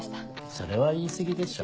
それは言い過ぎでしょ。